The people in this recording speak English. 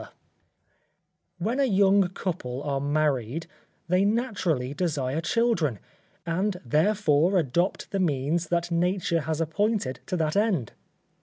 _ When a young couple are married, they naturally desire children; and therefore adopt the means that nature has appointed to that end.